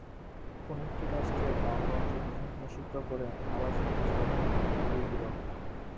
কোনো একটি রাষ্ট্রে প্রাণদণ্ডের বিধানকে নিষিদ্ধ করে আবার সেটি চালুর ঘটনা খুবই বিরল।